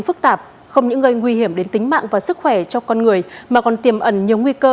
phức tạp không những gây nguy hiểm đến tính mạng và sức khỏe cho con người mà còn tiềm ẩn nhiều nguy cơ